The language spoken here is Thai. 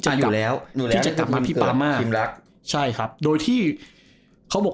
อยู่แล้วที่จะกลับมาที่ปามาทีมรักใช่ครับโดยที่เขาบอก